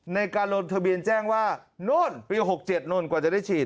ในการลงทะเบียนแจ้งว่าโน่นปี๖๗โน่นกว่าจะได้ฉีด